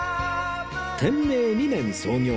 天明２年創業。